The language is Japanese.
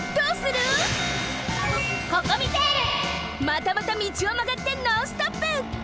またまた道をまがってノンストップ！